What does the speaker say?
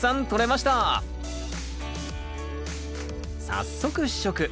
早速試食。